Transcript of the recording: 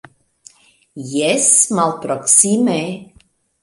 Jes, malproksime!